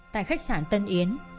tại khách sạn tân yến